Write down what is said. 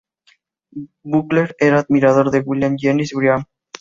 Butler era admirador de William Jennings Bryan.